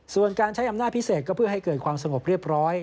ส่วนการใช้อำนาจพิเศษก็เพื่อให้เกิดความสงบเรียบร้อย